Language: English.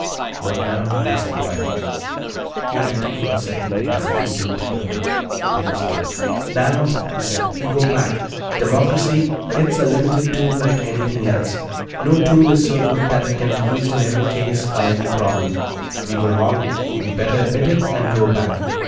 "What now?" I said quietly. He acted, for a second, as if he didn't hear me. Then he spoke. "Now," he said, "we go back. Democracy it's a limited tool, like anything else. No tool is so good that it can be used in every case, on every problem. We were wrong. We'd better admit it and go back."